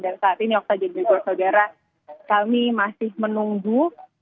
dan saat ini okta dan juga saudara kami masih menunggu